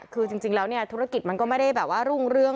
คือจริงแล้วเนี่ยธุรกิจมันก็ไม่ได้แบบว่ารุ่งเรื่อง